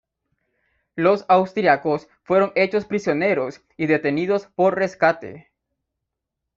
Los austriacos fueron hechos prisioneros y detenidos por rescate.